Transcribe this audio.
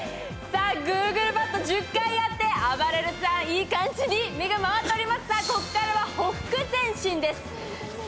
ぐるぐるバット１０回やってあばれるさん、いい感じに目が回っておりますがここからは、ほふく前進です。